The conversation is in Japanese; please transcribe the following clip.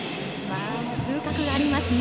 風格がありますね。